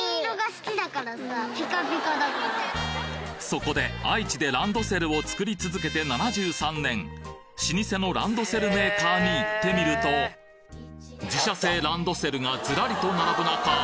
そこで愛知でランドセルを作り続けて７３年老舗のランドセルメーカーに行ってみると自社製ランドセルがずらりと並ぶ中